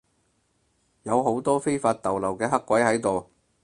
有好多非法逗留嘅黑鬼喺度